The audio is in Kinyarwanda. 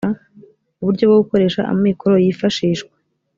uburyo bwo gukoresha amikoro yifashishwa